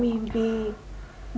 bunganya orang tidur